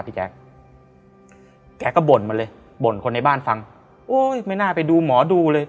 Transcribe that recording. พี่แจ๊คแกก็บ่นมาเลยบ่นคนในบ้านฟังโอ้ยไม่น่าไปดูหมอดูเลย